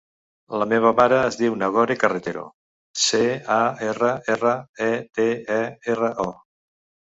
La meva mare es diu Nagore Carretero: ce, a, erra, erra, e, te, e, erra, o.